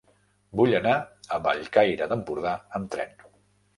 Vull anar a Bellcaire d'Empordà amb tren.